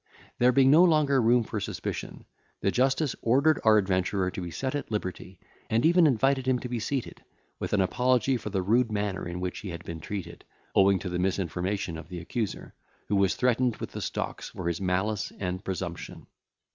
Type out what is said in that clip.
There being no longer room for suspicion, the justice ordered our adventurer to be set at liberty, and even invited him to be seated, with an apology for the rude manner in which he had been treated, owing to the misinformation of the accuser, who was threatened with the stocks, for his malice and presumption.